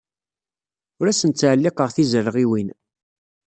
Ur asen-ttɛelliqeɣ tizalɣiwin.